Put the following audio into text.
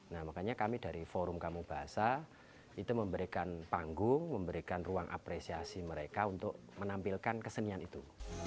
nah makanya kami dari forum kamu bahasa itu memberikan panggung memberikan ruang apresiasi mereka untuk menampilkan kesenian itu